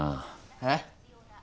えっ？